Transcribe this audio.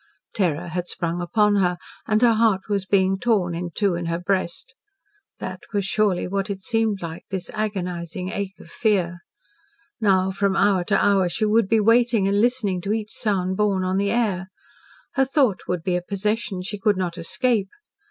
Terror had sprung upon her, and her heart was being torn in two in her breast. That was surely what it seemed like this agonising ache of fear. Now from hour to hour she would be waiting and listening to each sound borne on the air. Her thought would be a possession she could not escape.